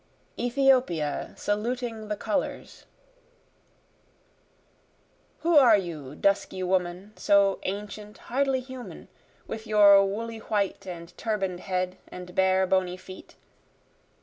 Ethiopia Saluting the Colors Who are you dusky woman, so ancient hardly human, With your woolly white and turban'd head, and bare bony feet?